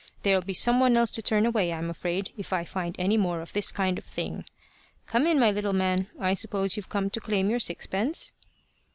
There'll be some one else to turn away, I'm afraid, if I find any more of this kind of thing. Come in, my little man. I suppose you've come to claim your sixpence?"